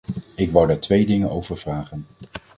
Ik wou daar twee dingen over vragen.